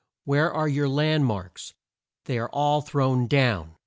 Where are your land marks? They are all thrown down."